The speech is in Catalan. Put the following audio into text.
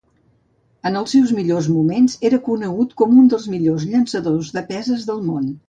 En el seu millors moments, era conegut com un dels millors llançadors de peses del món.